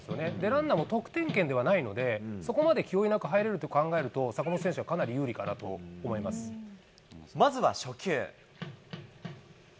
ランナーも得点圏ではないので、そこまで気負いなく入れると考えると、坂本選手はかなり有利かなまずは初球。